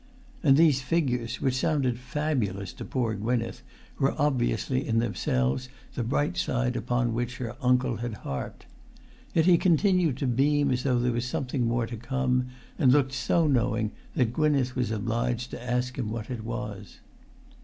And these figures, which sounded fabulous to poor Gwynneth, were obviously in themselves the bright side upon which her uncle had harped. Yet he continued to beam as though there was something more to come, and looked so knowing that Gwynneth was obliged to ask him what it was.